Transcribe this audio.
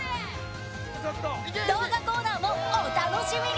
動画コーナーもお楽しみに